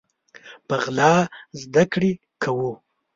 په غلا زده کړي کوو